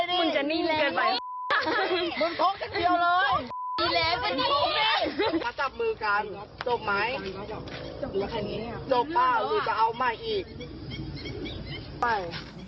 มึงแหละกันดิ